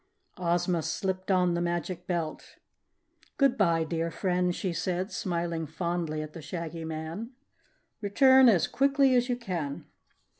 Ozma slipped on the Magic Belt. "Goodbye, dear friend," she said, smiling fondly at the Shaggy Man. "Return as quickly as you can."